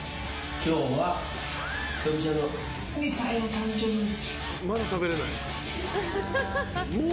今日は、つぼみちゃんの２歳の誕生日です。